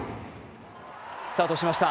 スタートしました。